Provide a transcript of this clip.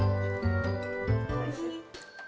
おいしい？